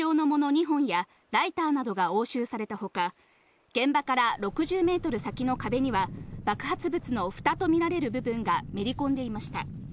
２本やライターなどが押収されたほか、現場から６０メートル先の壁には爆発物のふたとみられる部分がめり込んでいました。